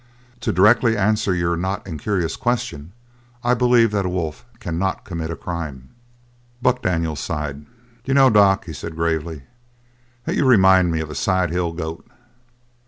To directly answer your not incurious question: I believe that a wolf cannot commit a crime." Buck Daniels sighed. "D'you know, doc," he said gravely, "that you remind me of a side hill goat?"